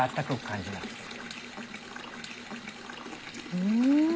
うん。